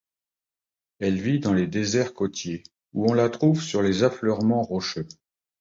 Elle vit dans les désert côtiers où on la trouve sur les affleurements rocheux.